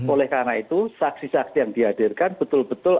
oleh karena itu saksi saksi yang dihadirkan betul betul